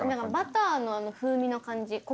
バターの風味の感じ